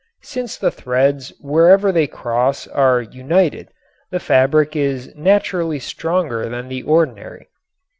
Since the threads wherever they cross are united, the fabric is naturally stronger than the ordinary.